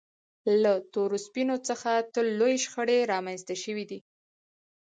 له تورو سپینو څخه تل لویې شخړې رامنځته شوې دي.